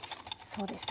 そうです。